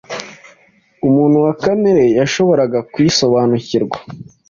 umuntu wa kamere yashoboraga kuyisobanukirwa